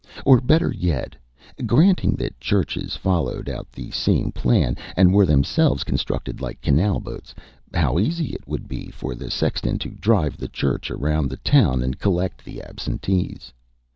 Or, better yet, granting that the churches followed out the same plan, and were themselves constructed like canal boats, how easy it would be for the sexton to drive the church around the town and collect the absentees.